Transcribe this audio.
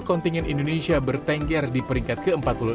kontingen indonesia bertengger di peringkat ke empat puluh enam